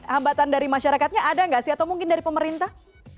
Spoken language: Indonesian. hambatan dari masyarakatnya ada nggak sih atau mungkin dari pemerintah